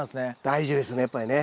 大事ですねやっぱりね。